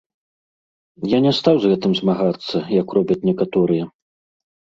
Я не стаў з гэтым змагацца, як робяць некаторыя.